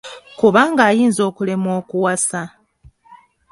Kubanga ayinza okulemwa okuwasa.